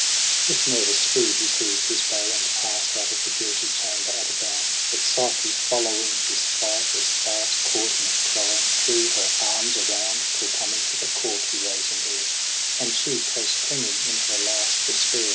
JULY 131 27 With nervous speed he seized his bow, $nd past Out of the guilty chamber at a bound j But Psyche, following his flight as fast. Caught him, and crying threw her arms around : Till coming to the court he rose in air j And she, close clinging in her last despair.